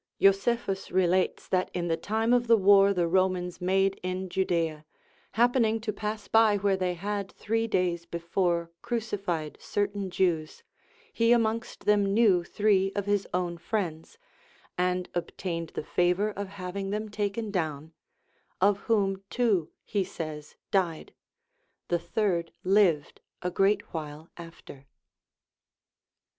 Josephus relates that in the time of the war the Romans made in Judaea, happening to pass by where they had three days before crucified certain Jews, he amongst them knew three of his own friends, and obtained the favour of having them taken down, of whom two, he says, died; the third lived a great while after.